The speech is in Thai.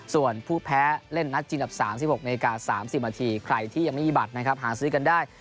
ส่วนผู้แพ้เล่นนัดจริงดับ๓๖นาที๓๐นาทีใครที่ยังไม่มีบัตรนะครับหาซื้อกันได้